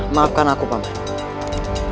maafkan aku paman